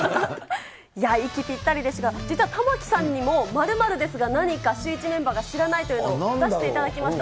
息ぴったりでしたが、実は玉城さんにも、○○ですがなにか、シューイチメンバーが知らないというのを出していただきました。